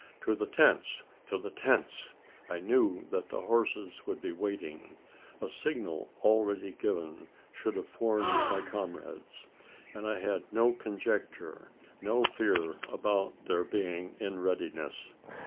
To the tents! to the tents! I knew that the horses would be waiting. A signal already given should have warned my comrades; and I had no conjecture, no fear about their being in readiness.